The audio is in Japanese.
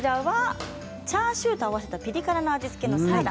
チャーシューと合わせたピリ辛の味付けのサラダ